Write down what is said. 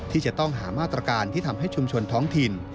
ที่จะต้องหามาตรการที่ทำให้ชุมชนท้องถิ่น